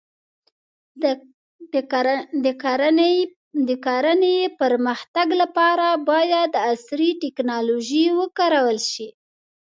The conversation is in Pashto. د کرنې د پرمختګ لپاره باید عصري ټکنالوژي وکارول شي.